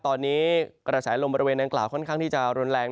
ตอนนี้กระใสลมในอังกฬาค่อนข้างที่จะร้อนแรง